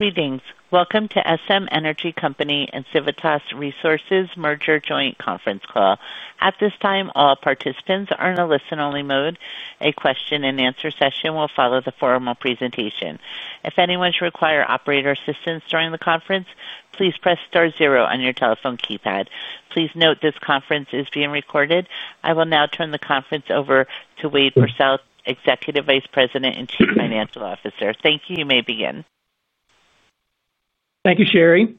Greetings. Welcome to SM Energy Company and Civitas Resources merger joint conference call. At this time, all participants are in a listen-only mode. A question-and-answer session will follow the formal presentation. If anyone should require operator assistance during the conference, please press star zero on your telephone keypad. Please note this conference is being recorded. I will now turn the conference over to Wade Pursell, Executive Vice President and Chief Financial Officer. Thank you. You may begin. Thank you, Sherry.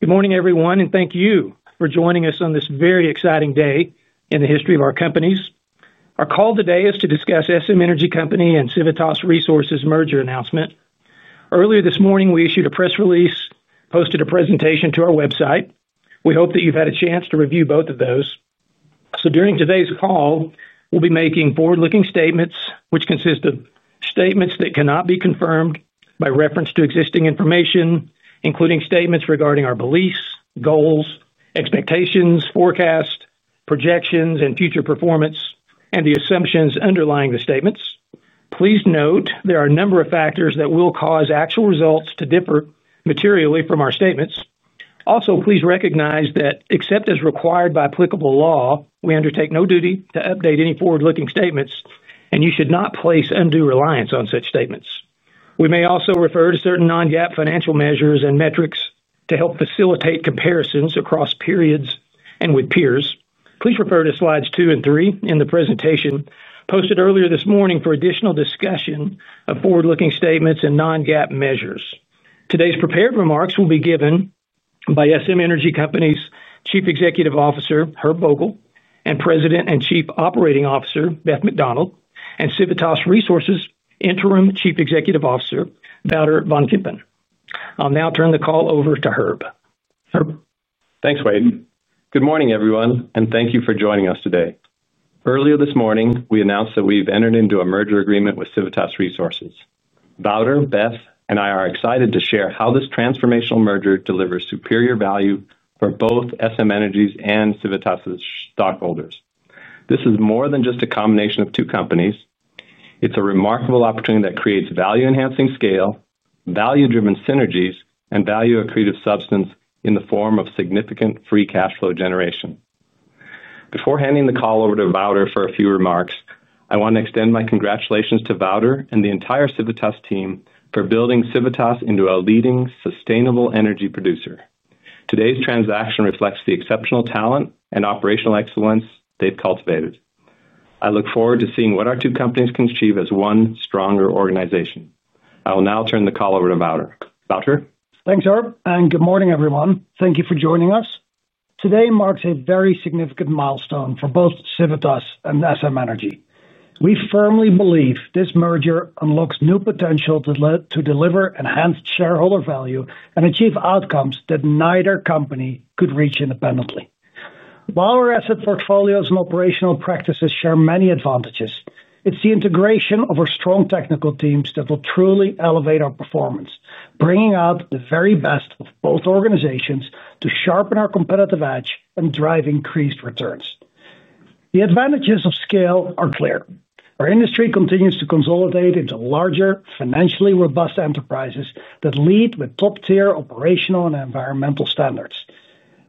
Good morning, everyone, and thank you for joining us on this very exciting day in the history of our companies. Our call today is to discuss SM Energy Company and Civitas Resources' merger announcement. Earlier this morning, we issued a press release, posted a presentation to our website. We hope that you've had a chance to review both of those. During today's call, we'll be making forward-looking statements, which consist of statements that cannot be confirmed by reference to existing information, including statements regarding our beliefs, goals, expectations, forecasts, projections, and future performance, and the assumptions underlying the statements. Please note there are a number of factors that will cause actual results to differ materially from our statements. Also, please recognize that, except as required by applicable law, we undertake no duty to update any forward-looking statements, and you should not place undue reliance on such statements. We may also refer to certain non-GAAP financial measures and metrics to help facilitate comparisons across periods and with peers. Please refer to slides two and three in the presentation posted earlier this morning for additional discussion of forward-looking statements and non-GAAP measures. Today's prepared remarks will be given by SM Energy Company's Chief Executive Officer, Herb Vogel, and President and Chief Operating Officer, Beth McDonald, and Civitas Resources' Interim Chief Executive Officer, Wouter van Kempen. I'll now turn the call over to Herb. Thanks, Wade. Good morning, everyone, and thank you for joining us today. Earlier this morning, we announced that we've entered into a merger agreement with Civitas Resources. Wouter, Beth, and I are excited to share how this transformational merger delivers superior value for both SM Energy's and Civitas's stockholders. This is more than just a combination of two companies. It's a remarkable opportunity that creates value-enhancing scale, value-driven synergies, and value-accretive substance in the form of significant free cash flow generation. Before handing the call over to Wouter for a few remarks, I want to extend my congratulations to Wouter and the entire Civitas team for building Civitas into a leading sustainable energy producer. Today's transaction reflects the exceptional talent and operational excellence they've cultivated. I look forward to seeing what our two companies can achieve as one stronger organization. I will now turn the call over to Wouter. Wouter? Thanks, Herb, and good morning, everyone. Thank you for joining us. Today marks a very significant milestone for both Civitas and SM Energy. We firmly believe this merger unlocks new potential to deliver enhanced shareholder value and achieve outcomes that neither company could reach independently. While our asset portfolios and operational practices share many advantages, it is the integration of our strong technical teams that will truly elevate our performance, bringing out the very best of both organizations to sharpen our competitive edge and drive increased returns. The advantages of scale are clear. Our industry continues to consolidate into larger, financially robust enterprises that lead with top-tier operational and environmental standards.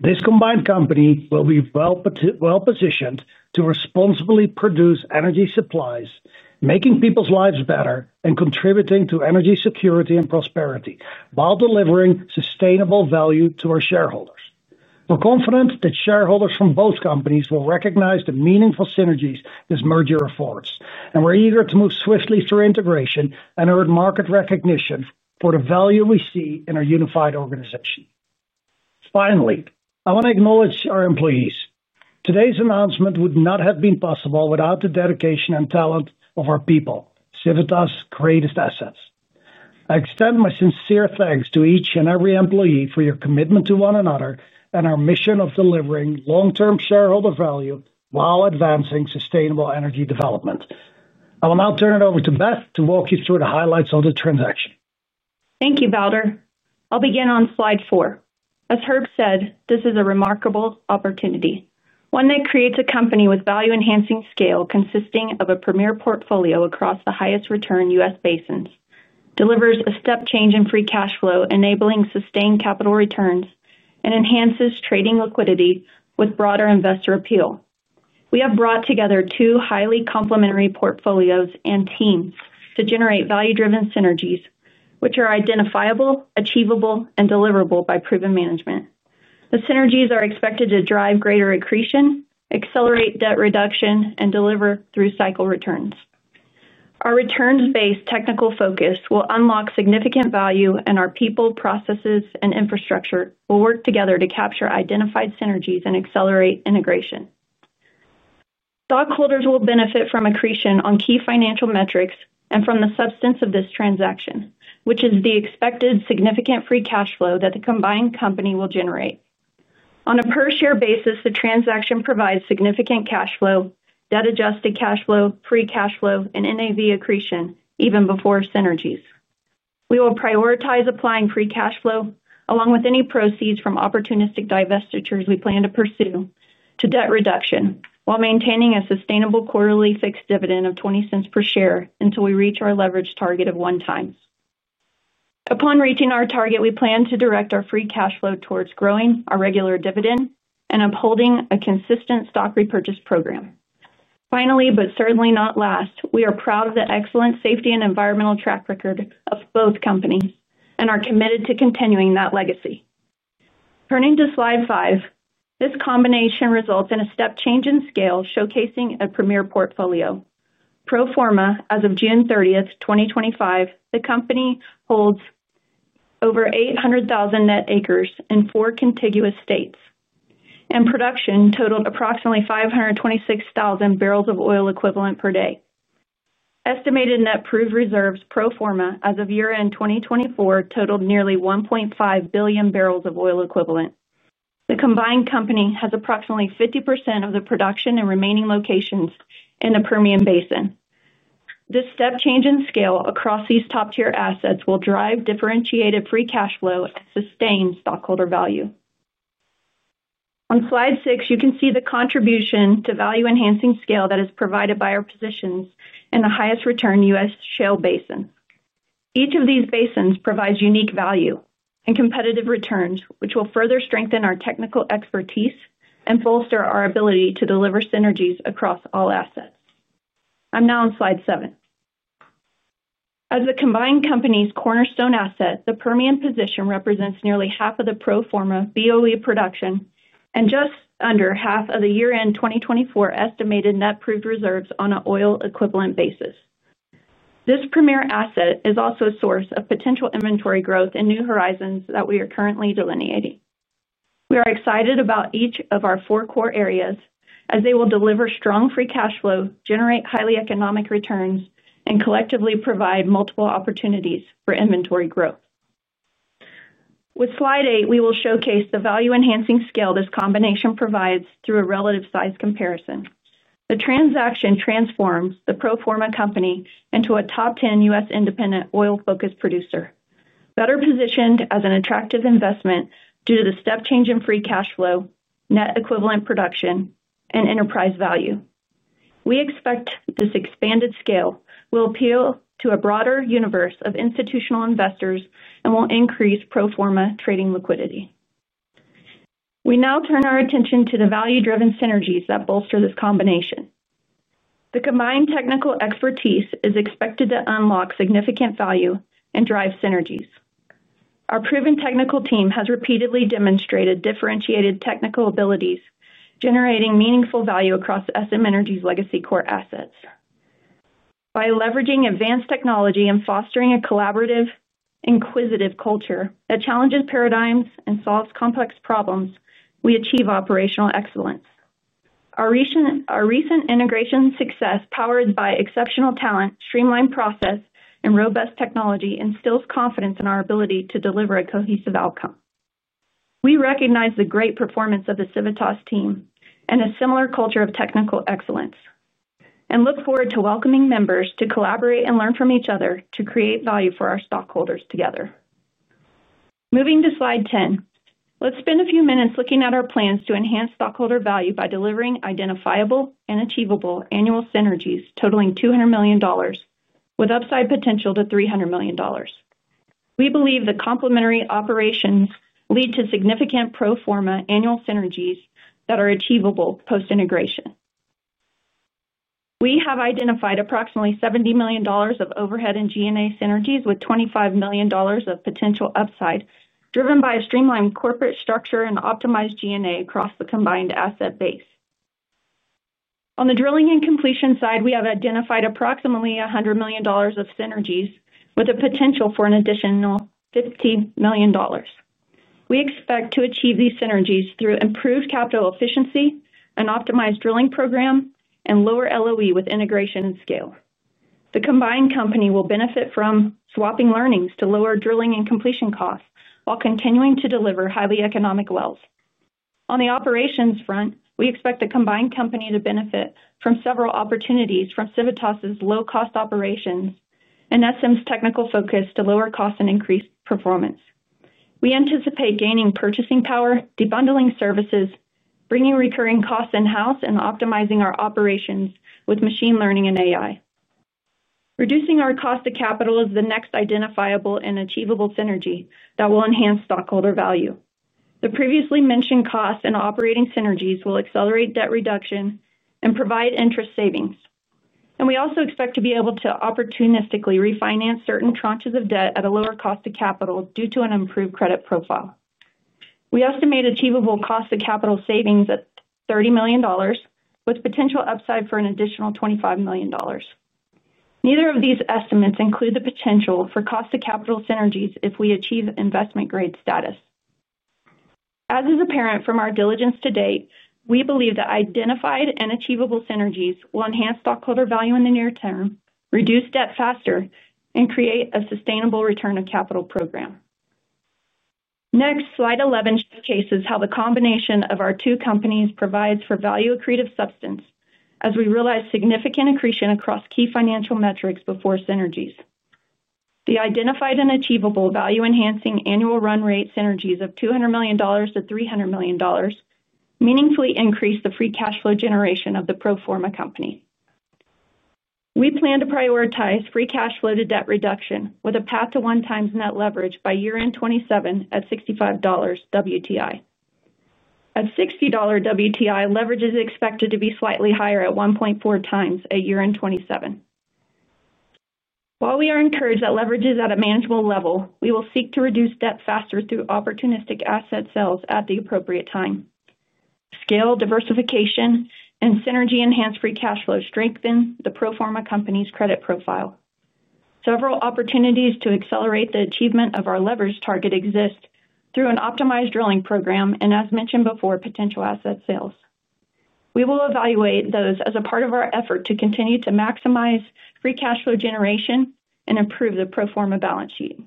This combined company will be well-positioned to responsibly produce energy supplies, making people's lives better and contributing to energy security and prosperity while delivering sustainable value to our shareholders. We are confident that shareholders from both companies will recognize the meaningful synergies this merger affords, and we are eager to move swiftly through integration and earn market recognition for the value we see in our unified organization. Finally, I want to acknowledge our employees. Today's announcement would not have been possible without the dedication and talent of our people, Civitas' greatest assets. I extend my sincere thanks to each and every employee for your commitment to one another and our mission of delivering long-term shareholder value while advancing sustainable energy development. I will now turn it over to Beth to walk you through the highlights of the transaction. Thank you, Wouter. I'll begin on slide four. As Herb said, this is a remarkable opportunity, one that creates a company with value-enhancing scale consisting of a premier portfolio across the highest-return U.S. basins, delivers a step change in free cash flow, enabling sustained capital returns, and enhances trading liquidity with broader investor appeal. We have brought together two highly complementary portfolios and teams to generate value-driven synergies, which are identifiable, achievable, and deliverable by proven management. The synergies are expected to drive greater accretion, accelerate debt reduction, and deliver through cycle returns. Our returns-based technical focus will unlock significant value, and our people, processes, and infrastructure will work together to capture identified synergies and accelerate integration. Stockholders will benefit from accretion on key financial metrics and from the substance of this transaction, which is the expected significant free cash flow that the combined company will generate. On a per-share basis, the transaction provides significant cash flow, debt-adjusted cash flow, free cash flow, and NAV accretion even before synergies. We will prioritize applying free cash flow along with any proceeds from opportunistic divestitures we plan to pursue to debt reduction while maintaining a sustainable quarterly fixed dividend of $0.20 per share until we reach our leverage target of one time. Upon reaching our target, we plan to direct our free cash flow towards growing our regular dividend and upholding a consistent stock repurchase program. Finally, but certainly not last, we are proud of the excellent safety and environmental track record of both companies and are committed to continuing that legacy. Turning to slide five, this combination results in a step change in scale showcasing a premier portfolio. Pro forma, as of June 30, 2025, the company holds over 800,000 net acres in four contiguous states, and production totaled approximately 526,000 barrels of oil equivalent per day. Estimated net proved reserves pro forma as of year-end 2024 totaled nearly 1.5 billion barrels of oil equivalent. The combined company has approximately 50% of the production and remaining locations in the Permian Basin. This step change in scale across these top-tier assets will drive differentiated free cash flow and sustained stockholder value. On slide six, you can see the contribution to value-enhancing scale that is provided by our positions in the highest-return U.S. shale basin. Each of these basins provides unique value and competitive returns, which will further strengthen our technical expertise and bolster our ability to deliver synergies across all assets. I'm now on slide seven. As the combined company's cornerstone asset, the Permian position represents nearly half of the pro forma BOE production and just under half of the year-end 2024 estimated net proved reserves on an oil-equivalent basis. This premier asset is also a source of potential inventory growth and new horizons that we are currently delineating. We are excited about each of our four core areas as they will deliver strong free cash flow, generate highly economic returns, and collectively provide multiple opportunities for inventory growth. With slide eight, we will showcase the value-enhancing scale this combination provides through a relative size comparison. The transaction transforms the pro forma company into a top-tier U.S. independent oil-focused producer, better positioned as an attractive investment due to the step change in free cash flow, net equivalent production, and enterprise value. We expect this expanded scale will appeal to a broader universe of institutional investors and will increase pro forma trading liquidity. We now turn our attention to the value-driven synergies that bolster this combination. The combined technical expertise is expected to unlock significant value and drive synergies. Our proven technical team has repeatedly demonstrated differentiated technical abilities, generating meaningful value across SM Energy's legacy core assets. By leveraging advanced technology and fostering a collaborative, inquisitive culture that challenges paradigms and solves complex problems, we achieve operational excellence. Our recent integration success, powered by exceptional talent, streamlined process, and robust technology, instills confidence in our ability to deliver a cohesive outcome. We recognize the great performance of the Civitas team and a similar culture of technical excellence and look forward to welcoming members to collaborate and learn from each other to create value for our stockholders together. Moving to slide ten, let's spend a few minutes looking at our plans to enhance stockholder value by delivering identifiable and achievable annual synergies totaling $200 million, with upside potential to $300 million. We believe the complementary operations lead to significant pro forma annual synergies that are achievable post-integration. We have identified approximately $70 million of overhead and G&A synergies with $25 million of potential upside driven by a streamlined corporate structure and optimized G&A across the combined asset base. On the drilling and completion side, we have identified approximately $100 million of synergies with a potential for an additional $50 million. We expect to achieve these synergies through improved capital efficiency, an optimized drilling program, and lower LOE with integration and scale. The combined company will benefit from swapping learnings to lower drilling and completion costs while continuing to deliver highly economic wells. On the operations front, we expect the combined company to benefit from several opportunities from Civitas's low-cost operations and SM's technical focus to lower costs and increase performance. We anticipate gaining purchasing power, debundling services, bringing recurring costs in-house, and optimizing our operations with machine learning and AI. Reducing our cost to capital is the next identifiable and achievable synergy that will enhance stockholder value. The previously mentioned costs and operating synergies will accelerate debt reduction and provide interest savings. We also expect to be able to opportunistically refinance certain tranches of debt at a lower cost to capital due to an improved credit profile. We estimate achievable cost to capital savings at $30 million, with potential upside for an additional $25 million. Neither of these estimates include the potential for cost to capital synergies if we achieve investment-grade status. As is apparent from our diligence to date, we believe that identified and achievable synergies will enhance stockholder value in the near term, reduce debt faster, and create a sustainable return of capital program. Next, slide 11 showcases how the combination of our two companies provides for value-accretive substance as we realize significant accretion across key financial metrics before synergies. The identified and achievable value-enhancing annual run-rate synergies of $200 million-$300 million meaningfully increase the free cash flow generation of the pro forma company. We plan to prioritize free cash flow to debt reduction with a path to 1x net leverage by year-end 2027 at $65 WTI. At $60 WTI, leverage is expected to be slightly higher at 1.4x at year-end 2027. While we are encouraged that leverage is at a manageable level, we will seek to reduce debt faster through opportunistic asset sales at the appropriate time. Scale, diversification, and synergy-enhanced free cash flow strengthen the pro forma company's credit profile. Several opportunities to accelerate the achievement of our leverage target exist through an optimized drilling program and, as mentioned before, potential asset sales. We will evaluate those as a part of our effort to continue to maximize free cash flow generation and improve the pro forma balance sheet.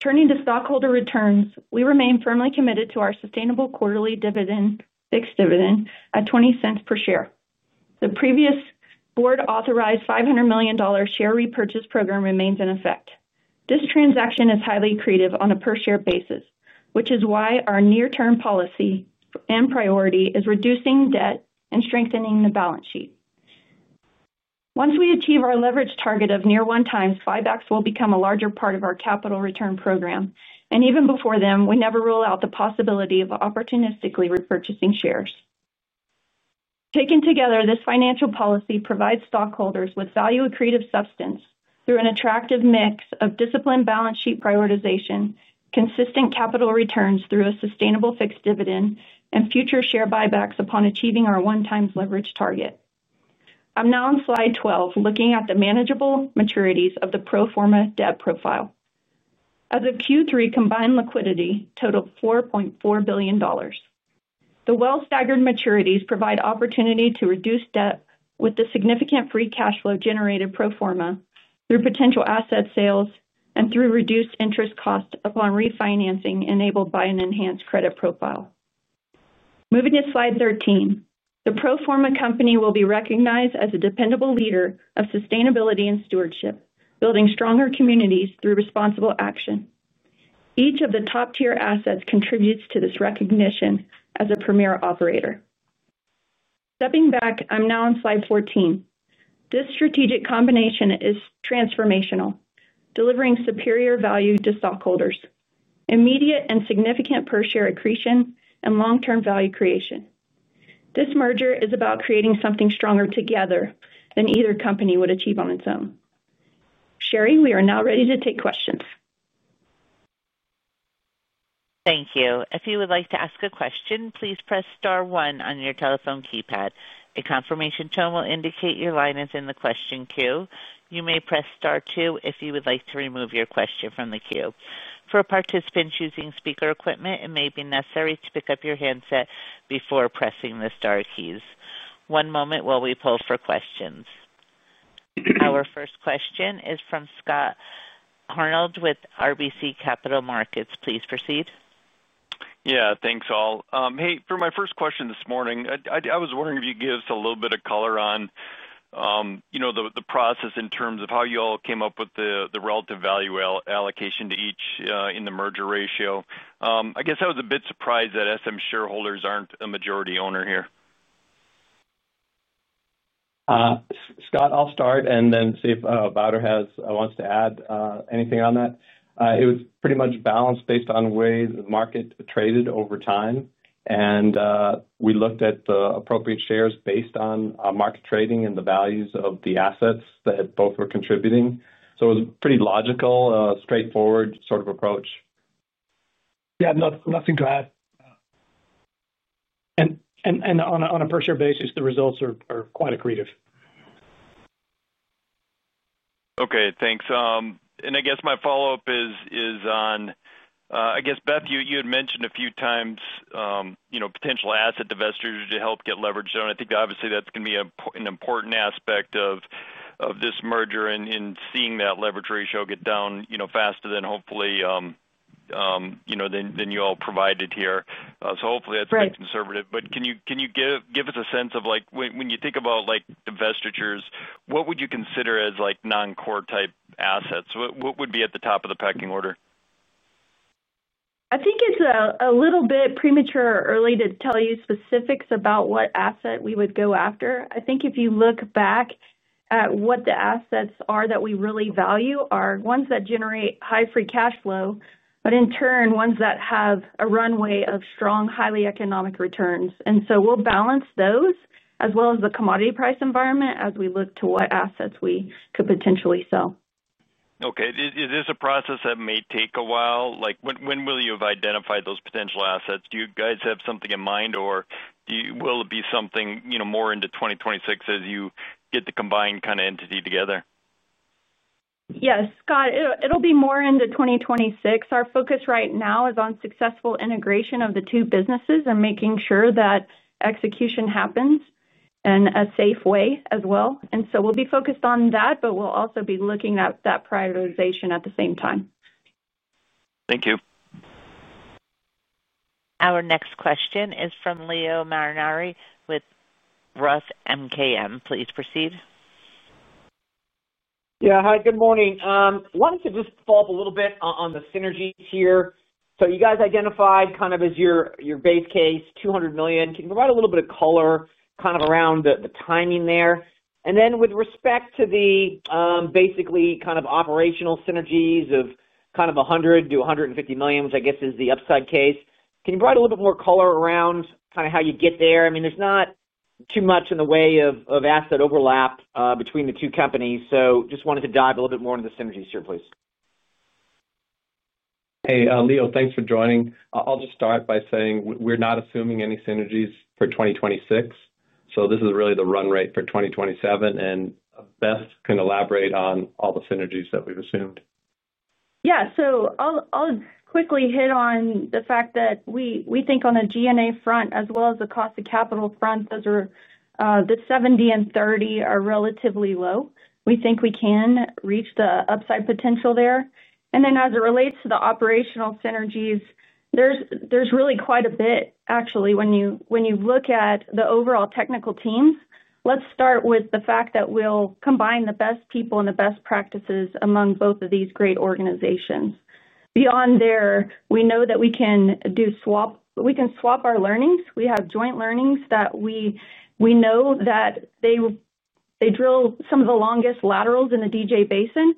Turning to stockholder returns, we remain firmly committed to our sustainable quarterly fixed dividend at $0.20 per share. The previous board-authorized $500 million share repurchase program remains in effect. This transaction is highly accretive on a per-share basis, which is why our near-term policy and priority is reducing debt and strengthening the balance sheet. Once we achieve our leverage target of near 1x, buybacks will become a larger part of our capital return program. Even before then, we never rule out the possibility of opportunistically repurchasing shares. Taken together, this financial policy provides stockholders with value-accretive substance through an attractive mix of disciplined balance sheet prioritization, consistent capital returns through a sustainable fixed dividend, and future share buybacks upon achieving our 1x leverage target. I'm now on slide 12, looking at the manageable maturities of the pro forma debt profile. As of Q3, combined liquidity totaled $4.4 billion. The well-staggered maturities provide opportunity to reduce debt with the significant free cash flow generated pro forma through potential asset sales and through reduced interest costs upon refinancing enabled by an enhanced credit profile. Moving to slide 13, the pro forma company will be recognized as a dependable leader of sustainability and stewardship, building stronger communities through responsible action. Each of the top-tier assets contributes to this recognition as a premier operator. Stepping back, I'm now on slide 14. This strategic combination is transformational, delivering superior value to stockholders, immediate and significant per-share accretion, and long-term value creation. This merger is about creating something stronger together than either company would achieve on its own. Sherry, we are now ready to take questions. Thank you. If you would like to ask a question, please press star one on your telephone keypad. A confirmation tone will indicate your line is in the question queue. You may press star two if you would like to remove your question from the queue. For participants using speaker equipment, it may be necessary to pick up your handset before pressing the star keys. One moment while we pull for questions. Our first question is from Scott Hanold with RBC Capital Markets. Please proceed. Yeah, thanks all. Hey, for my first question this morning, I was wondering if you could give us a little bit of color on the process in terms of how you all came up with the relative value allocation to each in the merger ratio. I guess I was a bit surprised that SM shareholders aren't a majority owner here. Scott, I'll start and then see if Wouter wants to add anything on that. It was pretty much balanced based on ways the market traded over time. And we looked at the appropriate shares based on market trading and the values of the assets that both were contributing. It was a pretty logical, straightforward sort of approach. Yeah, nothing to add. And on a per-share basis, the results are quite accretive. Okay, thanks. I guess my follow-up is on, I guess, Beth, you had mentioned a few times potential asset divestitures to help get leverage down. I think, obviously, that's going to be an important aspect of this merger and seeing that leverage ratio get down faster than hopefully, than you all provided here. Hopefully, that's pretty conservative. Can you give us a sense of, when you think about divestitures, what would you consider as non-core type assets? What would be at the top of the pecking order? I think it's a little bit premature or early to tell you specifics about what asset we would go after. I think if you look back at what the assets are that we really value are ones that generate high free cash flow, but in turn, ones that have a runway of strong, highly economic returns. We will balance those as well as the commodity price environment as we look to what assets we could potentially sell. Okay. Is this a process that may take a while? When will you have identified those potential assets? Do you guys have something in mind, or will it be something more into 2026 as you get the combined kind of entity together? Yes, Scott, it'll be more into 2026. Our focus right now is on successful integration of the two businesses and making sure that execution happens in a safe way as well. We will be focused on that, but we'll also be looking at that prioritization at the same time. Thank you. Our next question is from Leo Mariani with ROTH MKM. Please proceed. Yeah, hi, good morning. I wanted to just follow up a little bit on the synergies here. You guys identified kind of as your base case, $200 million. Can you provide a little bit of color kind of around the timing there? Then with respect to the basically kind of operational synergies of kind of $100 million-$150 million, which I guess is the upside case, can you provide a little bit more color around kind of how you get there? I mean, there is not too much in the way of asset overlap between the two companies. Just wanted to dive a little bit more into the synergies here, please. Hey, Leo, thanks for joining. I'll just start by saying we are not assuming any synergies for 2026. This is really the run rate for 2027. Beth can elaborate on all the synergies that we have assumed. Yeah, so I'll quickly hit on the fact that we think on a G&A front, as well as the cost of capital front, the 70 and 30 are relatively low. We think we can reach the upside potential there. As it relates to the operational synergies, there is really quite a bit, actually, when you look at the overall technical teams. Let's start with the fact that we will combine the best people and the best practices among both of these great organizations. Beyond there, we know that we can swap. We can swap our learnings. We have joint learnings that we know that they drill some of the longest laterals in the DJ Basin.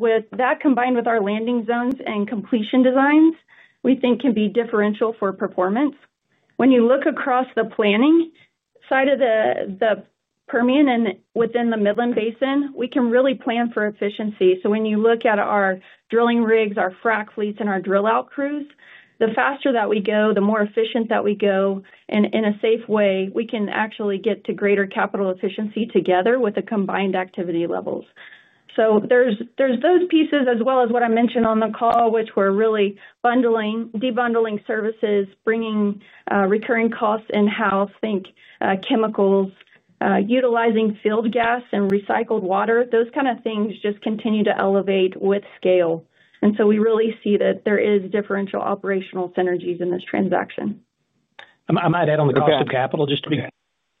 With that combined with our landing zones and completion designs, we think can be differential for performance. When you look across the planning side of the Permian and within the Midland Basin, we can really plan for efficiency. When you look at our drilling rigs, our frac fleets, and our drill-out crews, the faster that we go, the more efficient that we go, and in a safe way, we can actually get to greater capital efficiency together with the combined activity levels. There are those pieces, as well as what I mentioned on the call, which were really bundling, debundling services, bringing recurring costs in-house, think chemicals, utilizing field gas and recycled water. Those kind of things just continue to elevate with scale. We really see that there are differential operational synergies in this transaction. I might add on the cost of capital. Just to be clear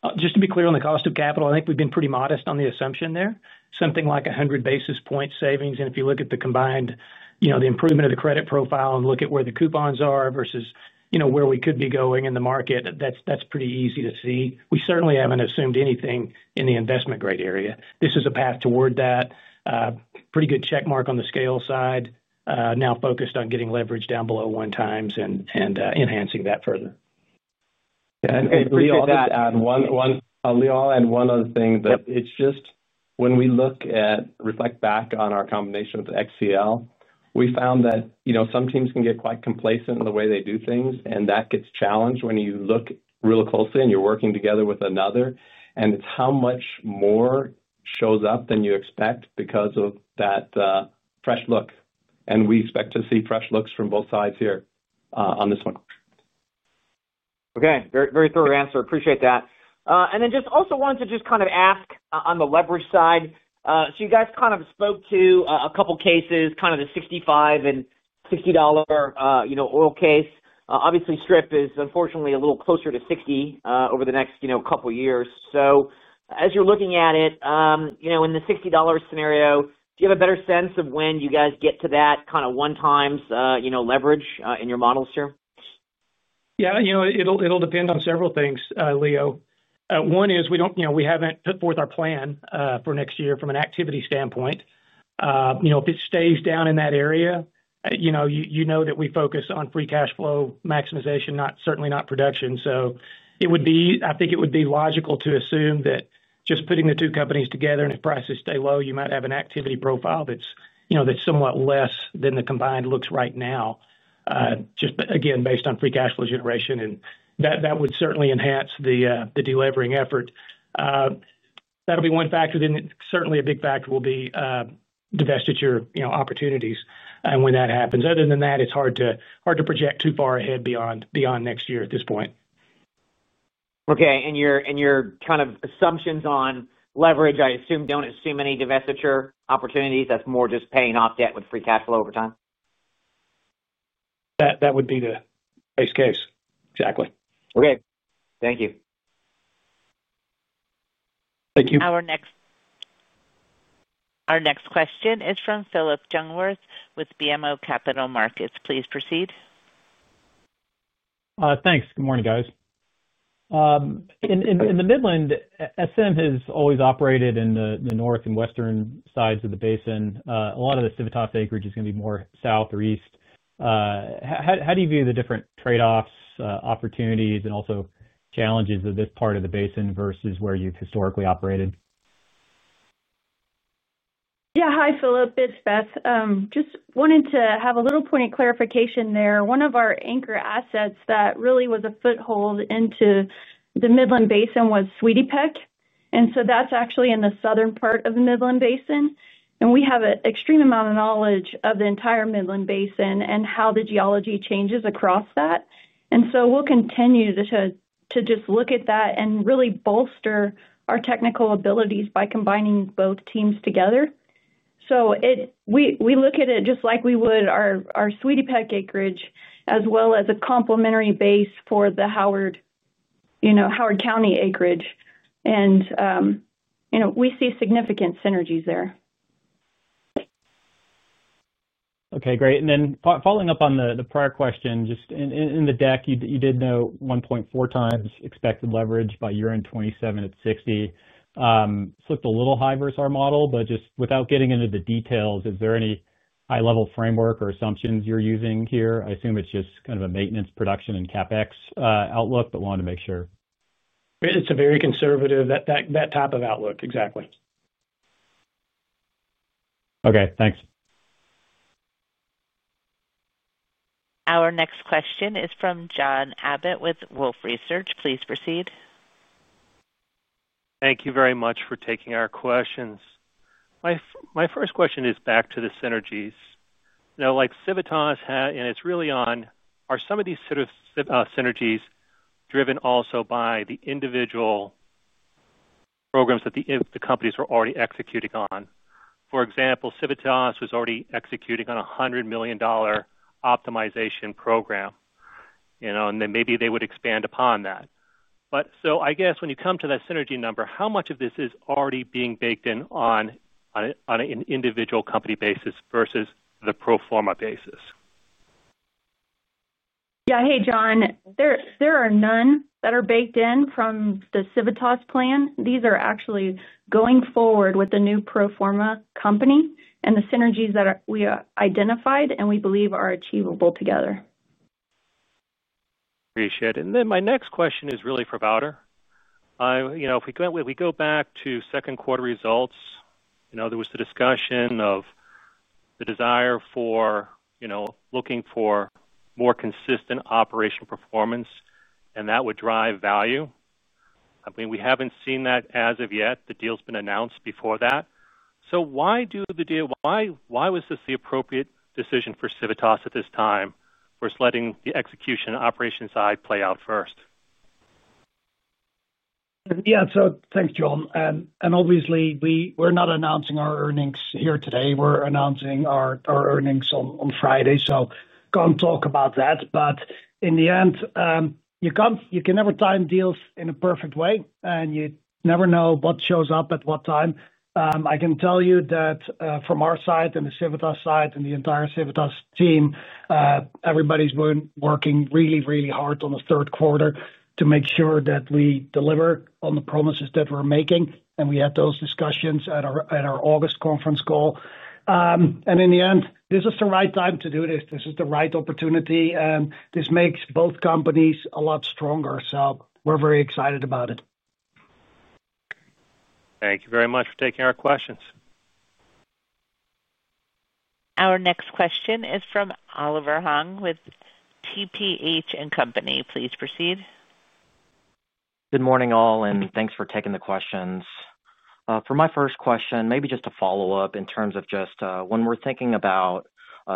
on the cost of capital, I think we have been pretty modest on the assumption there. Something like 100 basis point savings. If you look at the combined, the improvement of the credit profile and look at where the coupons are versus where we could be going in the market, that is pretty easy to see. We certainly have not assumed anything in the investment-grade area. This is a path toward that. Pretty good check mark on the scale side, now focused on getting leverage down below 1x and enhancing that further. Yeah, and Leo will add one. Leo will add one other thing. It's just when we look at, reflect back on our combination with XCL, we found that some teams can get quite complacent in the way they do things. That gets challenged when you look really closely and you're working together with another. It's how much more shows up than you expect because of that. Fresh look. We expect to see fresh looks from both sides here on this one. Okay, very thorough answer. Appreciate that. Then just also wanted to just kind of ask on the leverage side. You guys kind of spoke to a couple of cases, kind of the $65 and $60 oil case. Obviously, Strip is unfortunately a little closer to $60 over the next couple of years. As you're looking at it, in the $60 scenario, do you have a better sense of when you guys get to that kind of 1x leverage in your models here? Yeah, it'll depend on several things, Leo. One is we haven't put forth our plan for next year from an activity standpoint. If it stays down in that area, you know that we focus on free cash flow maximization, certainly not production. I think it would be logical to assume that just putting the two companies together and if prices stay low, you might have an activity profile that's somewhat less than the combined looks right now. Just again, based on free cash flow generation. That would certainly enhance the delevering effort. That'll be one factor. Then certainly a big factor will be divestiture opportunities and when that happens. Other than that, it's hard to project too far ahead beyond next year at this point. Okay, and your kind of assumptions on leverage, I assume, don't assume any divestiture opportunities. That's more just paying off debt with free cash flow over time? That would be the base case. Exactly. Okay. Thank you. Thank you. Our next question is from Phillip Jungwirth with BMO Capital Markets. Please proceed. Thanks. Good morning, guys. In the Midland, SM has always operated in the north and western sides of the basin. A lot of the Civitas acreage is going to be more south or east. How do you view the different trade-offs, opportunities, and also challenges of this part of the basin versus where you've historically operated? Yeah, hi, Phillip. It's Beth. Just wanted to have a little pointed clarification there. One of our anchor assets that really was a foothold into the Midland Basin was Sweetie Peck. That's actually in the southern part of the Midland Basin. We have an extreme amount of knowledge of the entire Midland Basin and how the geology changes across that. We'll continue to just look at that and really bolster our technical abilities by combining both teams together. We look at it just like we would our Sweetie Peck acreage, as well as a complementary base for the Howard County acreage. We see significant synergies there. Okay, great. Following up on the prior question, just in the deck, you did note 1.4x expected leverage by year-end 2027 at $60. It looked a little high versus our model, but just without getting into the details, is there any high-level framework or assumptions you're using here? I assume it's just kind of a maintenance production and CapEx outlook, but wanted to make sure. It's a very conservative type of outlook. Exactly. Okay, thanks. Our next question is from John Abbott with Wolfe Research. Please proceed. Thank you very much for taking our questions. My first question is back to the synergies. Like Civitas, and it's really on, are some of these sort of synergies driven also by the individual programs that the companies were already executing on? For example, Civitas was already executing on a $100 million optimization program. And then maybe they would expand upon that. So I guess when you come to that synergy number, how much of this is already being baked in on an individual company basis versus the pro forma basis? Yeah, hey, John. There are none that are baked in from the Civitas plan. These are actually going forward with the new pro forma company and the synergies that we identified and we believe are achievable together. Appreciate it. My next question is really for Wouter. If we go back to second quarter results, there was the discussion of the desire for looking for more consistent operational performance, and that would drive value. I mean, we haven't seen that as of yet. The deal's been announced before that. Why was this the appropriate decision for Civitas at this time versus letting the execution operation side play out first? Yeah, thanks, John. Obviously, we're not announcing our earnings here today. We're announcing our earnings on Friday, so can't talk about that. In the end, you can never time deals in a perfect way, and you never know what shows up at what time. I can tell you that from our side and the Civitas side and the entire Civitas team, everybody's been working really, really hard on the third quarter to make sure that we deliver on the promises that we're making. We had those discussions at our August conference call. In the end, this is the right time to do this. This is the right opportunity. This makes both companies a lot stronger. We're very excited about it. Thank you very much for taking our questions. Our next question is from Oliver Huang with TPH & Company. Please proceed. Good morning, all, and thanks for taking the questions. For my first question, maybe just a follow-up in terms of just when we're thinking about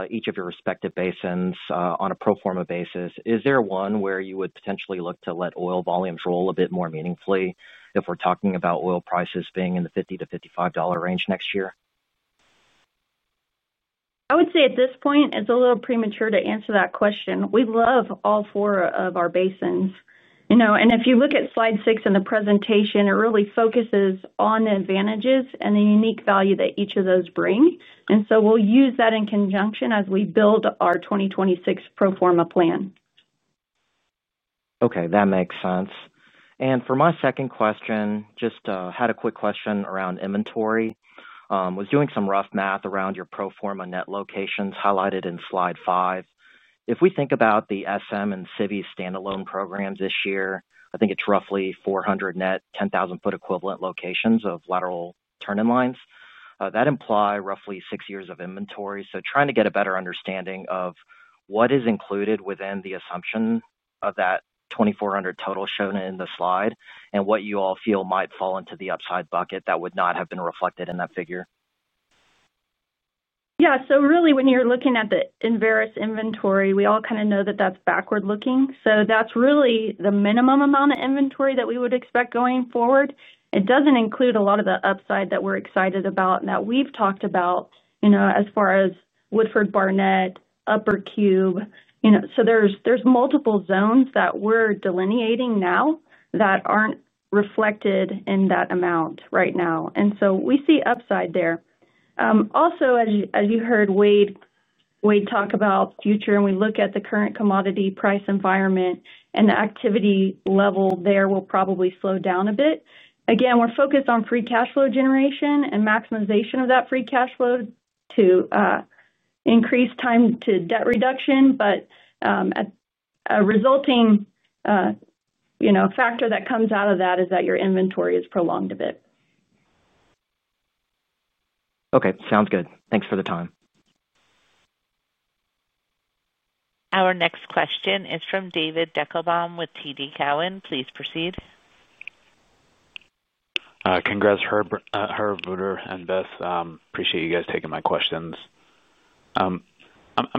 each of your respective basins on a pro forma basis, is there one where you would potentially look to let oil volumes roll a bit more meaningfully if we're talking about oil prices being in the $50-$55 range next year? I would say at this point, it's a little premature to answer that question. We love all four of our basins. If you look at slide six in the presentation, it really focuses on the advantages and the unique value that each of those bring. We will use that in conjunction as we build our 2026 pro forma plan. Okay, that makes sense. For my second question, just had a quick question around inventory. Was doing some rough math around your pro forma net locations highlighted in slide five. If we think about the SM and CIVI standalone programs this year, I think it's roughly 400 net, 10,000-foot equivalent locations of lateral turn-in lines. That implies roughly six years of inventory. Trying to get a better understanding of what is included within the assumption of that 2,400 total shown in the slide and what you all feel might fall into the upside bucket that would not have been reflected in that figure. Yeah, so really, when you're looking at the inveros inventory, we all kind of know that that's backward-looking. That's really the minimum amount of inventory that we would expect going forward. It doesn't include a lot of the upside that we're excited about and that we've talked about. As far as Woodford, Barnett, Upper Cube, there are multiple zones that we're delineating now that aren't reflected in that amount right now. We see upside there. Also, as you heard Wade talk about future, and we look at the current commodity price environment, the activity level there will probably slow down a bit. Again, we're focused on free cash flow generation and maximization of that free cash flow to increase time to debt reduction. A resulting factor that comes out of that is that your inventory is prolonged a bit. Okay, sounds good. Thanks for the time. Our next question is from David Deckelbaum with TD Cowen. Please proceed. Congrats, Herb Vogel and Beth. Appreciate you guys taking my questions. I'm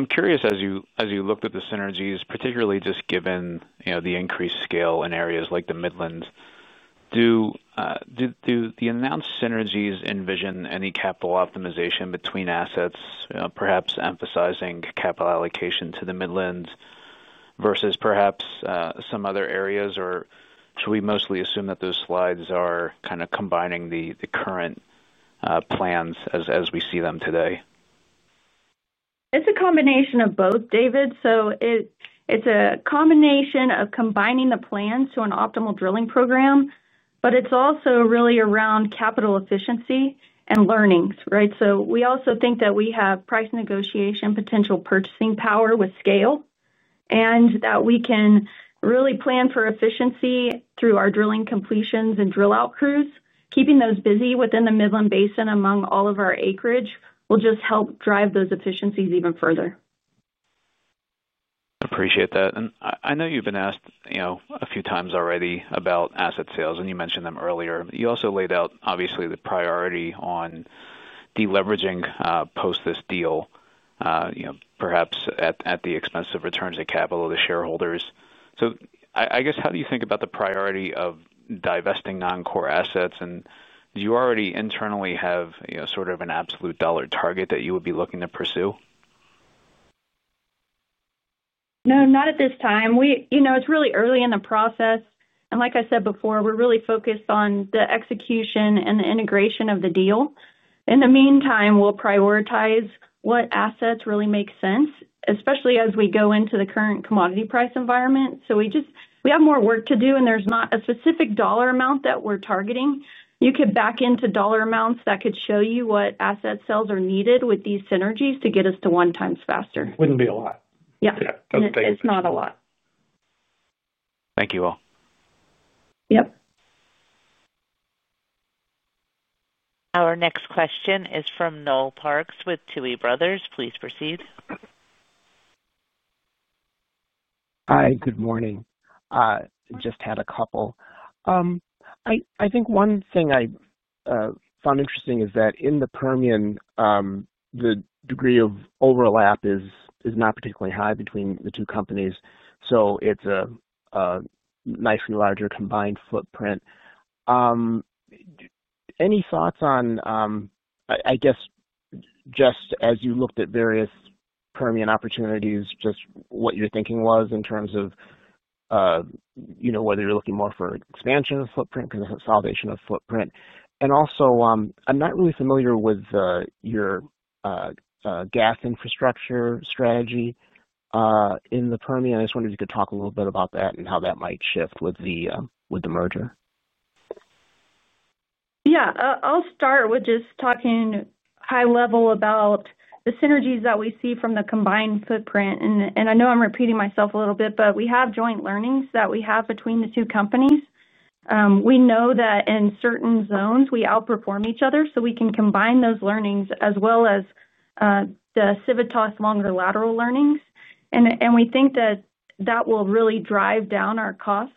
curious, as you looked at the synergies, particularly just given the increased scale in areas like the Midlands, do the announced synergies envision any capital optimization between assets, perhaps emphasizing capital allocation to the Midlands versus perhaps some other areas, or should we mostly assume that those slides are kind of combining the current plans as we see them today? It's a combination of both, David. It's a combination of combining the plans to an optimal drilling program, but it's also really around capital efficiency and learnings, right? We also think that we have price negotiation, potential purchasing power with scale, and that we can really plan for efficiency through our drilling completions and drill-out crews. Keeping those busy within the Midland Basin among all of our acreage will just help drive those efficiencies even further. Appreciate that. I know you've been asked a few times already about asset sales, and you mentioned them earlier. You also laid out, obviously, the priority on deleveraging post this deal, perhaps at the expense of returns of capital to shareholders. I guess, how do you think about the priority of divesting non-core assets? Do you already internally have sort of an absolute dollar target that you would be looking to pursue? No, not at this time. It's really early in the process. Like I said before, we're really focused on the execution and the integration of the deal. In the meantime, we'll prioritize what assets really make sense, especially as we go into the current commodity price environment. We have more work to do, and there's not a specific dollar amount that we're targeting. You could back into dollar amounts that could show you what asset sales are needed with these synergies to get us to 1x faster. Wouldn't be a lot. Yeah. It's not a lot. Thank you all. Yep. Our next question is from Noel Parks with Tuohy Brothers. Please proceed. Hi, good morning. Just had a couple. I think one thing I found interesting is that in the Permian, the degree of overlap is not particularly high between the two companies. It's a nicely larger combined footprint. Any thoughts on, I guess, just as you looked at various Permian opportunities, what your thinking was in terms of whether you're looking more for expansion of footprint because of the salvation of footprint? Also, I'm not really familiar with your gas infrastructure strategy in the Permian. I just wondered if you could talk a little bit about that and how that might shift with the merger. Yeah, I'll start with just talking high level about the synergies that we see from the combined footprint. I know I'm repeating myself a little bit, but we have joint learnings that we have between the two companies. We know that in certain zones, we outperform each other, so we can combine those learnings as well as the Civitas longer lateral learnings. We think that that will really drive down our costs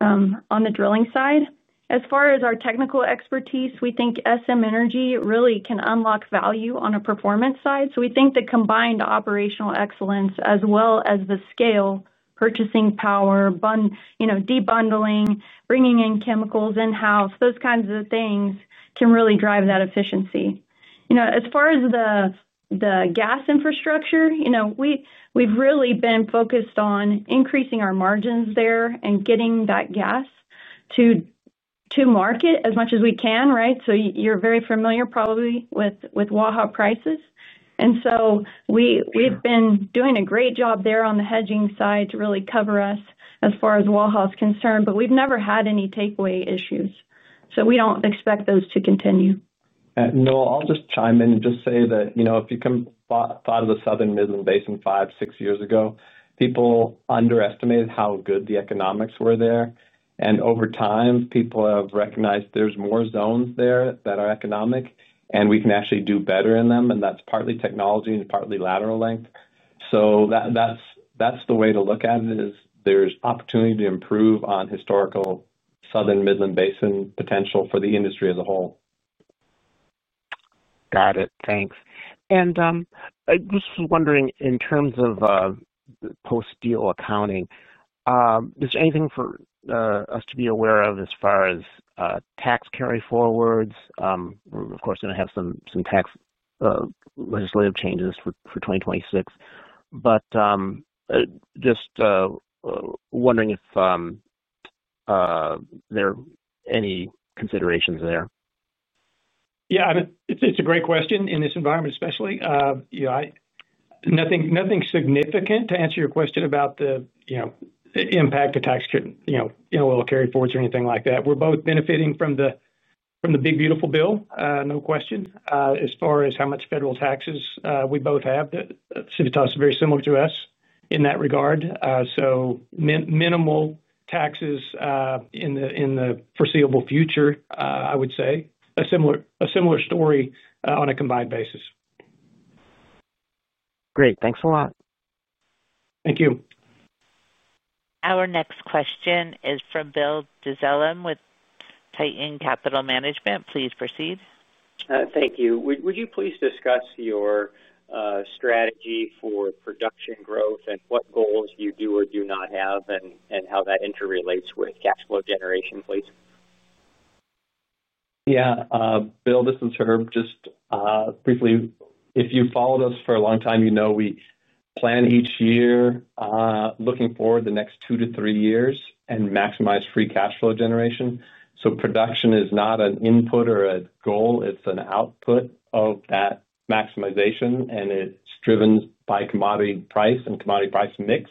on the drilling side. As far as our technical expertise, we think SM Energy really can unlock value on a performance side. We think the combined operational excellence as well as the scale, purchasing power, debundling, bringing in chemicals in-house, those kinds of things can really drive that efficiency. As far as the gas infrastructure, we've really been focused on increasing our margins there and getting that gas to market as much as we can, right? You're very familiar probably with Waha prices. We've been doing a great job there on the hedging side to really cover us as far as Waha is concerned, but we've never had any takeaway issues. We don't expect those to continue. I'll just chime in and just say that if you thought of the Southern Midland Basin five, six years ago, people underestimated how good the economics were there. Over time, people have recognized there's more zones there that are economic, and we can actually do better in them. That's partly technology and partly lateral length. That's the way to look at it, is there's opportunity to improve on historical Southern Midland Basin potential for the industry as a whole. Got it. Thanks. I was just wondering, in terms of post-deal accounting, is there anything for us to be aware of as far as tax carry forwards? We're, of course, going to have some tax legislative changes for 2026. Just wondering if there are any considerations there. Yeah, it's a great question in this environment, especially. Nothing significant to answer your question about the impact of tax carry forwards or anything like that. We're both benefiting from the big, beautiful bill, no question. As far as how much federal taxes we both have, Civitas is very similar to us in that regard. Minimal taxes in the foreseeable future, I would say. A similar story on a combined basis. Great. Thanks a lot. Thank you. Our next question is from Bill Dezellem with Titan Capital Management. Please proceed. Thank you. Would you please discuss your strategy for production growth and what goals you do or do not have and how that interrelates with cash flow generation, please? Yeah. Bill, this is Herb. Just briefly, if you've followed us for a long time, you know we plan each year, looking forward the next two to three years, and maximize free cash flow generation. Production is not an input or a goal. It's an output of that maximization, and it's driven by commodity price and commodity price mix.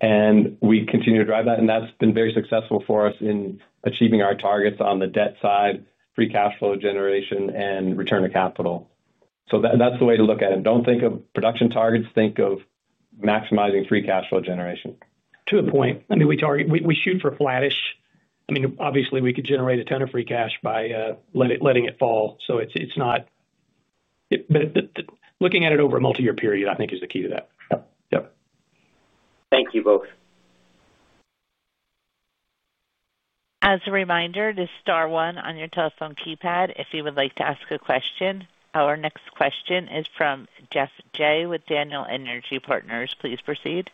We continue to drive that. That's been very successful for us in achieving our targets on the debt side, free cash flow generation, and return to capital. That's the way to look at it. Don't think of production targets. Think of maximizing free cash flow generation. To a point. I mean, we shoot for flattish. Obviously, we could generate a ton of free cash by letting it fall. Looking at it over a multi-year period, I think, is the key to that. Yep. Yep. Thank you both. As a reminder, this is star one on your telephone keypad. If you would like to ask a question, our next question is from Geoff Jay with Daniel Energy Partners. Please proceed.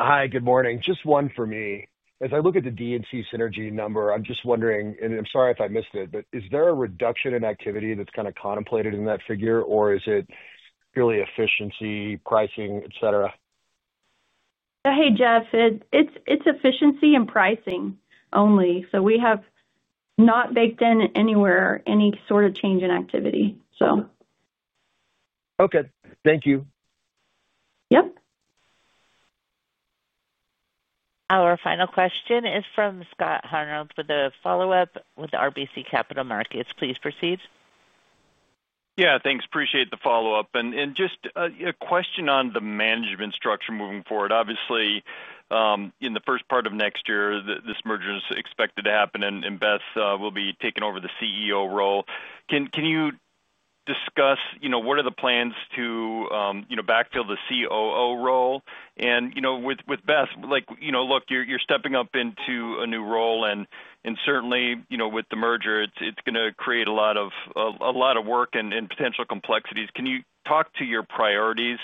Hi, good morning. Just one for me. As I look at the D&C synergy number, I'm just wondering, and I'm sorry if I missed it, but is there a reduction in activity that's kind of contemplated in that figure, or is it purely efficiency, pricing, etc.? Hey, Geoff, it's efficiency and pricing only. We have not baked in anywhere any sort of change in activity. Okay. Thank you. Our final question is from Scott Hanold with a follow-up with RBC Capital Markets. Please proceed. Yeah, thanks. Appreciate the follow-up. Just a question on the management structure moving forward. Obviously, in the first part of next year, this merger is expected to happen, and Beth will be taking over the CEO role. Can you discuss what are the plans to backfill the COO role? And with Beth, look, you're stepping up into a new role. Certainly, with the merger, it's going to create a lot of work and potential complexities. Can you talk to your priorities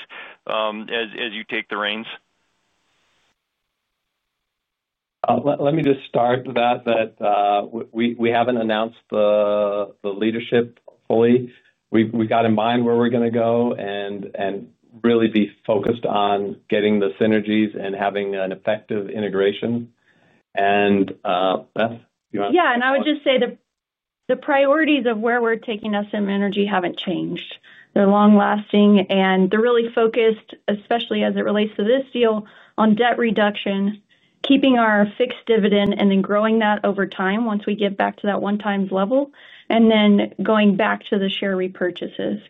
as you take the reins? Let me just start with that. We haven't announced the leadership fully. We've got in mind where we're going to go and really be focused on getting the synergies and having an effective integration. Beth, do you want to? Yeah. I would just say the priorities of where we're taking SM Energy haven't changed. They're long-lasting, and they're really focused, especially as it relates to this deal, on debt reduction, keeping our fixed dividend, and then growing that over time once we get back to that one-time level, and then going back to the share repurchases.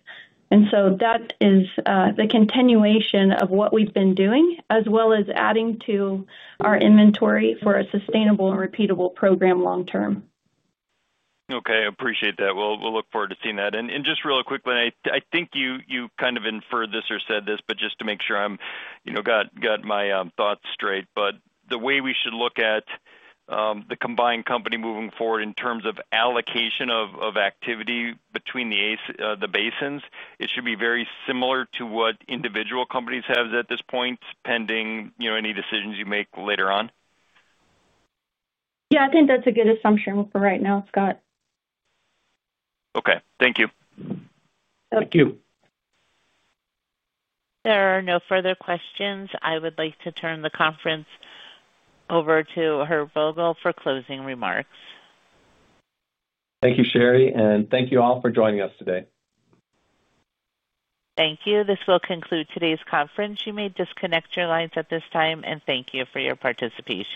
That is the continuation of what we've been doing, as well as adding to our inventory for a sustainable and repeatable program long-term. Okay. Appreciate that. We'll look forward to seeing that. Just really quickly, I think you kind of inferred this or said this, but just to make sure I've got my thoughts straight. The way we should look at the combined company moving forward in terms of allocation of activity between the basins, it should be very similar to what individual companies have at this point, pending any decisions you make later on. Yeah, I think that's a good assumption for right now, Scott. Okay. Thank you. Thank you. There are no further questions. I would like to turn the conference over to Herb Vogel for closing remarks. Thank you, Sherry. And thank you all for joining us today. Thank you. This will conclude today's conference. You may disconnect your lines at this time. Thank you for your participation.